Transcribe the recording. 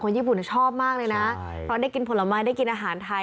ญี่ปุ่นชอบมากเลยนะเพราะได้กินผลไม้ได้กินอาหารไทย